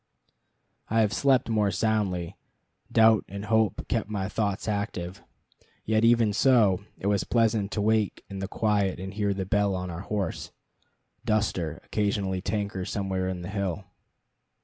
I have slept more soundly; doubt and hope kept my thoughts active. Yet even so, it was pleasant to wake in the quiet and hear the bell on our horse, Duster, occasionally tankle somewhere on the hill.